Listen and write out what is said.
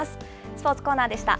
スポーツコーナーでした。